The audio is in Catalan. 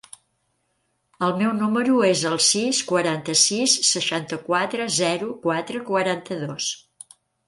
El meu número es el sis, quaranta-sis, seixanta-quatre, zero, quatre, quaranta-dos.